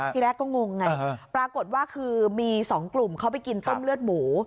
ที่แรกก็งงไงปรากฏว่าคือมี๒กลุ่มเขาไปกินต้มเลือดหมู